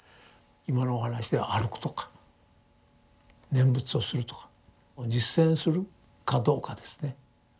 今のお話では歩くとか念仏をするとか実践するかどうかですね。